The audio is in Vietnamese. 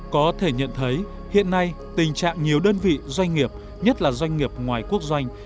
có thể nhận thấy hiện nay tình trạng nhiều đơn vị doanh nghiệp nhất là doanh nghiệp ngoài quốc doanh